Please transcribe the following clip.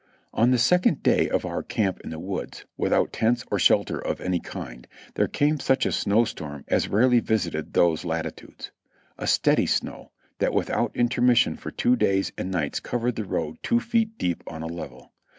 On the second day of our camp in the woods, without tents or shelter of any kind, there came such a snow storm as rarely vis ited those latitudes; a steady snow, that without intermission for two days and nights covered the road two feet deep on a level.